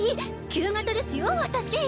旧型ですよ私！